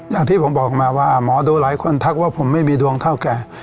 อย่างที่ผมบอกมาว่าหมอดูหลายคนทักว่าผมไม่มีดวงเท่าแก่